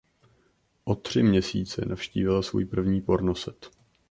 O tři měsíce navštívila svůj první porno set.